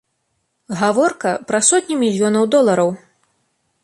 Гаворка пра сотні мільёнаў долараў.